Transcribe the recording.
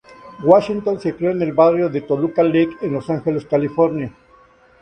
Washington se crió en el barrio de Toluca Lake en Los Ángeles, California.